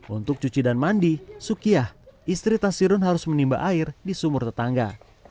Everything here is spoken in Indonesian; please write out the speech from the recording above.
untuk cuci dan mandi sukiyah istri tasirun harus menimba air di sumur tetangga